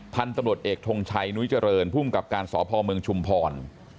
ท่านตำรวจเอกทงชัยนุ้ยเจริญผู้อุ้มกับการสอบภอมเมืองชุมพร